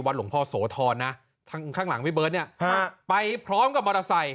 วัดหลวงพ่อโสทรนะทั้งข้างหลังวิเบิ้ลเนี้ยฮะไปพร้อมกับมอเตอร์ไซค์